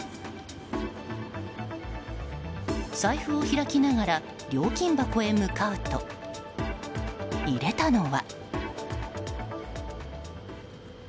財布を開きながら料金箱へ向かうと入れたのは。